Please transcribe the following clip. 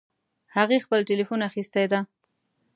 هغې خپل ټیلیفون اخیستی ده